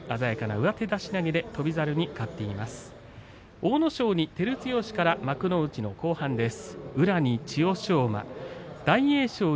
阿武咲に照強から幕内の後半です。